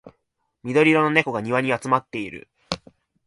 緑色の猫が庭に集まっている